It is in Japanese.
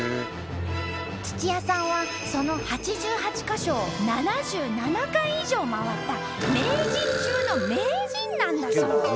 土谷さんはその８８か所を７７回以上回った名人中の名人なんだそう。